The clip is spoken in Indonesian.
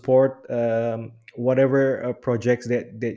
proyek proyek yang anda